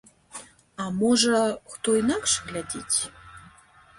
А можа, хто інакш глядзіць.